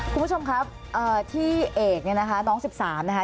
คุณผู้ชมครับที่เอกเนี่ยนะคะน้อง๑๓นะคะ